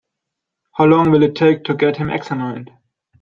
How long will it take to get him examined?